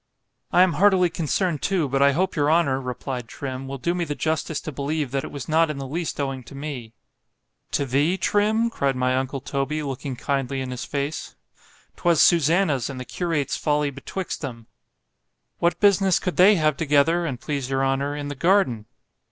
—I am heartily concerned too, but I hope your honour, replied Trim, will do me the justice to believe, that it was not in the least owing to me.——To thee—Trim?—cried my uncle Toby, looking kindly in his face——'twas Susannah's and the curate's folly betwixt them.——What business could they have together, an' please your honour, in the garden?